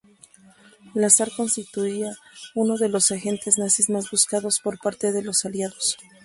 Lazar constituía uno de los agentes nazis más buscados por parte de los aliados.